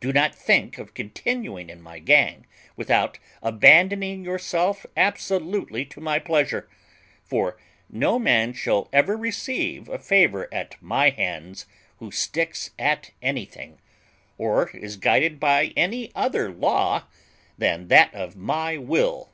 Do not think of continuing in my gang without abandoning yourself absolutely to my pleasure; for no man shall ever receive a favour at my hands who sticks at anything, or is guided by any other law than that of my will."